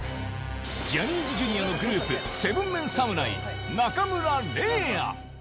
ジャニーズＪｒ．のグループ、７メン侍・中村嶺亜。